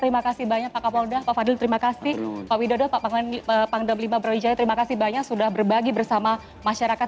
terima kasih banyak pak kapolda pak fadil terima kasih pak widodo pak pangdam lima brawijaya terima kasih banyak sudah berbagi bersama masyarakat